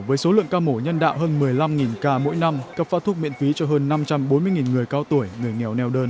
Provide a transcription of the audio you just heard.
với số lượng ca mổ nhân đạo hơn một mươi năm ca mỗi năm cấp phát thuốc miễn phí cho hơn năm trăm bốn mươi người cao tuổi người nghèo neo đơn